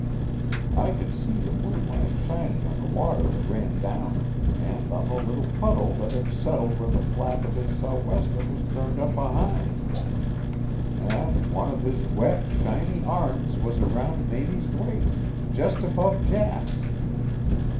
I could see the moonlight shining on the water that ran down him, and on the little puddle that had settled where the flap of his sou'wester was turned up behind: and one of his wet, shiny arms was round Mamie's waist, just above Jack's.